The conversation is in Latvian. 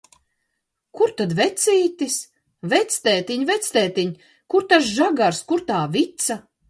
Kur tad vecītis? Vectētiņ, vectētiņ! Kur tas žagars, kur tā vica?